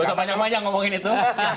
gua sudah banyak banyak ngomongin itu